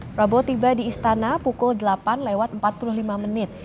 prabowo tiba di istana pukul delapan lewat empat puluh lima menit